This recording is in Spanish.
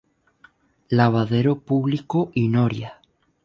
Lavadero publico y noria.